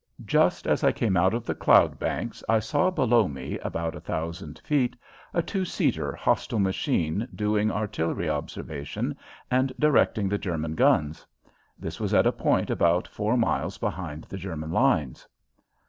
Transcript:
Just as I came out of the cloud banks I saw below me, about a thousand feet, a two seater hostile machine doing artillery observation and directing the German guns. This was at a point about four miles behind the German lines.